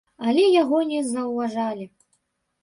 Але яго не заўважалі.